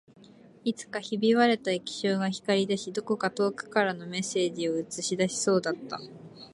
いつかひび割れた液晶が光り出し、どこか遠くからのメッセージを映し出しそうだった